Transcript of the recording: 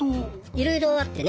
いろいろあってね